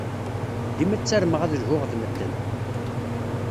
Dima ttarmeɣ ad lhuɣ ed medden.